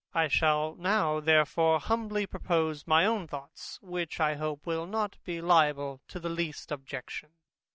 I shall now therefore humbly propose my own thoughts, which I hope will not be liable to the least objection.